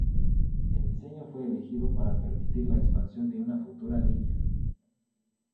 El diseño fue elegido para permitir la expansión de una futura línea.